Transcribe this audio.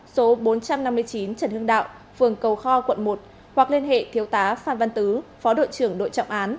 số bốn trăm năm mươi chín trần hưng đạo phường cầu kho quận một hoặc liên hệ thiếu tá phan văn tứ phó đội trưởng đội trọng án